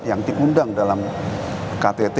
yang diundang dalam ktt